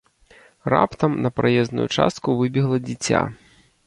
Раптам на праезную частку выбегла дзіця.